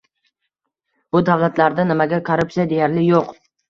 Bu davlatlarda nimaga korrupsiya deyarli yo‘q?